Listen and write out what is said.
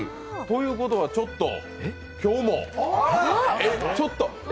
ということは、ちょっと今日も、ちょっと。